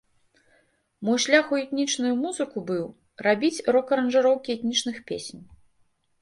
Мой шлях у этнічную музыку быў, рабіць рок-аранжыроўкі этнічных песень.